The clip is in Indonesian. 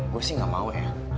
gue sih gak mau ya